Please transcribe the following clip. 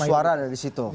suara dari situ